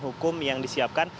hukum yang disiapkan